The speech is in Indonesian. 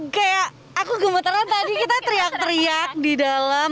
kayak aku gemetaran tadi kita teriak teriak di dalam